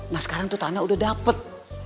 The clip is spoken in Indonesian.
nah sekarang tuh tanah udah dapat